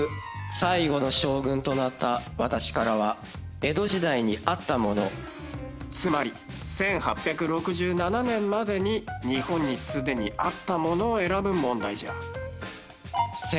最後の将軍となった私からは江戸時代にあったものつまり１８６７年までに日本にすでにあったものを選ぶ問題じゃ。